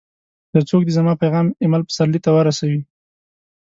یو څوک دي زما پیغام اېمل پسرلي ته ورسوي!